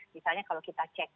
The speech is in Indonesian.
misalnya kalau kita check in